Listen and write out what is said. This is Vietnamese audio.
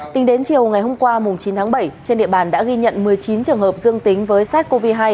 tính đến chiều ngày hôm qua chín tháng bảy trên địa bàn đã ghi nhận một mươi chín trường hợp dương tính với sars cov hai